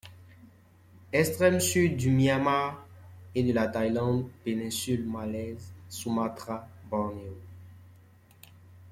Extrême sud du Myanmar et de la Thaïlande, péninsule malaise, Sumatra, Bornéo.